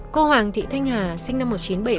cô hoàng thị thanh hà sinh năm một nghìn chín trăm bảy mươi